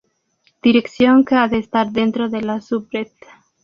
Dirección que ha de estar dentro de la subred.